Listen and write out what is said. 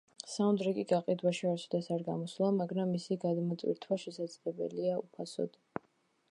საუნდტრეკი გაყიდვაში არასდროს არ გამოსულა, მაგრამ მისი გადმოტვირთვა შესაძლებელია უფასოდ.